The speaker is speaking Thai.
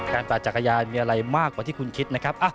ปั่นจักรยานมีอะไรมากกว่าที่คุณคิดนะครับ